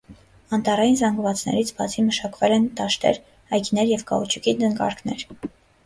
Անտառային զանգվածներից բացի մշակվել են դաշտեր, այգիներ, և կաուչուկի տնկարկներ։